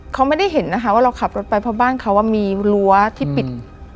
เขาไม่ได้เห็นนะคะว่าเราขับรถไปเพราะบ้านเขามีรั้วที่ปิด